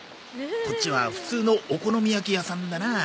こっちは普通のお好み焼き屋さんだなあ。